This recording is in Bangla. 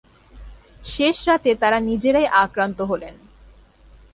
শেষ রাতে তারা নিজেরাই আক্রান্ত হলেন।